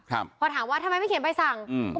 ครับพอถามว่าทำไมไม่เขียนใบสั่งอืม